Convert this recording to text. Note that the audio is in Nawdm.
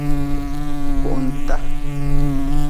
Kuhuntita.